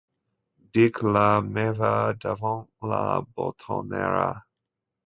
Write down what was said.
Dic la meva davant la botonera.